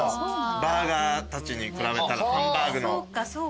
バーガーたちに比べたらハンバーグの。